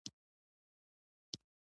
خو دا د لیکوال خپل ځانګړی کمال دی.